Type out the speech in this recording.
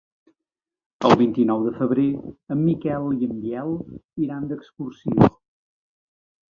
El vint-i-nou de febrer en Miquel i en Biel iran d'excursió.